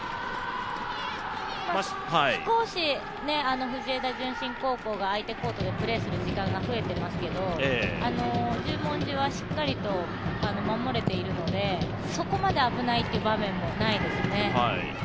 少し藤枝順心高校が相手コートでプレーする時間が増えてますけど十文字はしっかりと守れているので、そこまで危ないという場面もないですね。